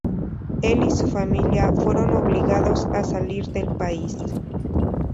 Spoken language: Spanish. Él y su familia fueron obligados a salir del país.